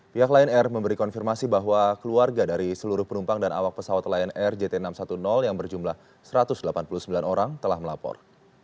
pihak lion air memberi konfirmasi bahwa keluarga dari seluruh penumpang dan awak pesawat lion air jt enam ratus sepuluh yang berjumlah satu ratus delapan puluh sembilan orang telah melapor